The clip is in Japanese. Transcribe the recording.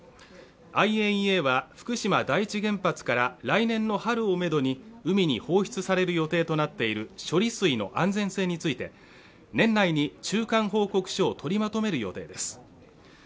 ＩＡＥＡは福島第一原発から来年の春をめどに海に放出される予定となっている処理水の安全性について年内に中間報告書を取りまとめる予定です。